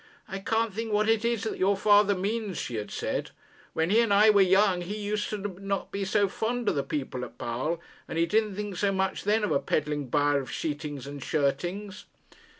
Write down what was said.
'I can't think what it is that your father means,' she had said. 'When he and I were young, he used not to be so fond of the people of Basle, and he didn't think so much then of a peddling buyer of sheetings and shirtings.'